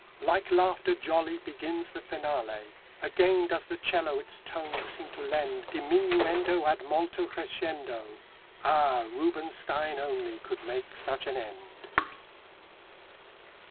Like laughter jolly Begins the finale; Again does the 'cello its tones seem to lend Diminuendo ad molto crescendo. Ah! Rubinstein only could make such an end!